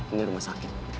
ini rumah sakit